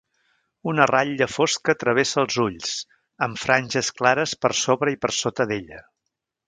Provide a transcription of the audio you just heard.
Una ratlla fosca travessa els ulls, amb franges clares per sobre i per sota d'ella.